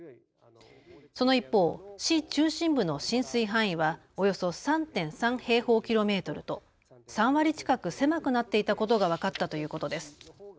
その一方、市中心部の浸水範囲はおよそ３．３平方キロメートルと３割近く狭くなっていたことが分かったということです。